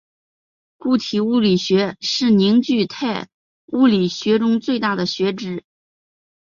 固体物理学是凝聚态物理学中最大的分支。